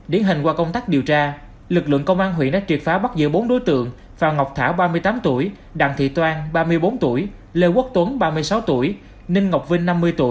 điển hình qua công tác điều tra lực lượng công an huyện đã triệt phá bắt giữa bốn đối tượng phạm ngọc thảo đặng thị toan lê quốc tuấn ninh ngọc vinh